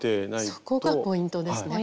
そこがポイントですね。